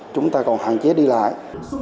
chúng ta còn hạn chế đi lại